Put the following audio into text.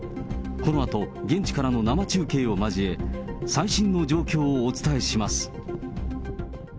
このあと現地からの生中継を交え、最新の状況をお伝えします。